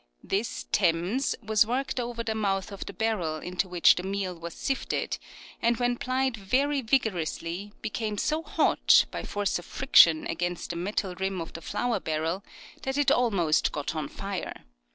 This " temse " was worked over the mouth of the barrel into which the meal was sifted, and when plied very vigorously became so hot, by force of friction against the metal rim of the flour barrel, that it almost got on fire.